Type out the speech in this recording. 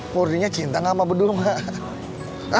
murninya cinta gak sama beduh mak